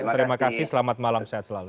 terima kasih selamat malam sehat selalu